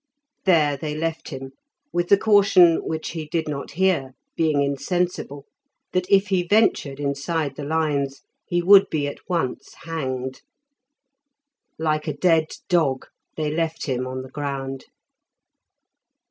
There they left him, with the caution which he did not hear, being insensible, that if he ventured inside the lines he would be at once hanged. Like a dead dog they left him on the ground.